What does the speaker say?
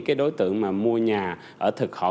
cái đối tượng mà mua nhà ở thực họ